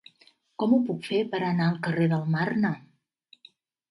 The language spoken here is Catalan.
Com ho puc fer per anar al carrer del Marne?